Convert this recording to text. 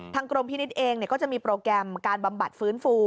กรมพินิษฐ์เองก็จะมีโปรแกรมการบำบัดฟื้นฟู